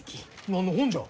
何の本じゃ？